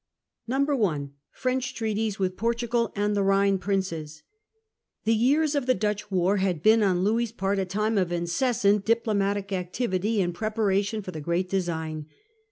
I. French Treaties with Portugal and the Rhine Princes. The years of the Dutch war had been on Louis's part a time of incessant diplomatic activity in preparation for Diplomatists the great design.